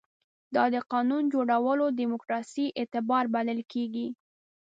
دا د قانون جوړولو دیموکراسي اعتبار بلل کېږي.